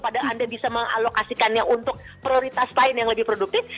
padahal anda bisa mengalokasikannya untuk prioritas lain yang lebih produktif